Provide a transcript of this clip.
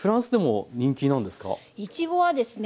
いちごはですね